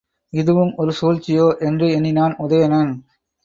இதுவும் ஒரு சூழ்ச்சியோ? என்று எண்ணினான் உதயணன்.